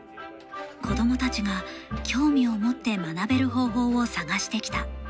子供たちが興味を持って学べる方法を探してきた。